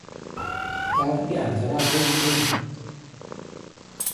แล้วทุกอย่างจะราบรื่นขึ้น